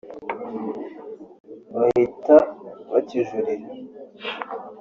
bahita bakijuririra